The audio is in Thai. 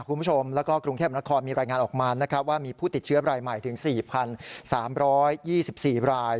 คุณผู้ชมแล้วก็กรุงเทพนครมีรายงานออกมานะครับว่ามีผู้ติดเชื้อรายใหม่ถึง๔๓๒๔ราย